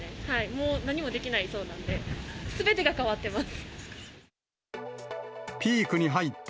もう何もできないそうなんで、すべてが変わってます。